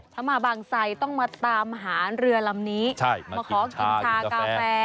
ถ้ามาบางไซต้องมาตามหาเรือลำนี้มาขอกินชากาแฟ